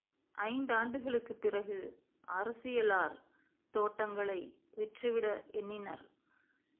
ஐந்தாண்டுகளுக்குப் பிறகு அரசியலார் தோட்டங்களை விற்றுவிட எண்ணினர்.